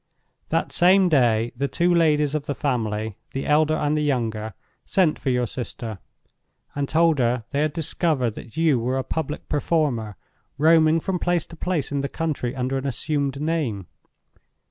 "That same day, the two ladies of the family, the elder and the younger, sent for your sister, and told her they had discovered that you were a public performer, roaming from place to place in the country under an assumed name.